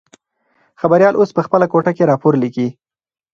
خبریال اوس په خپله کوټه کې راپور لیکي.